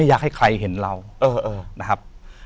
ใช่ครับ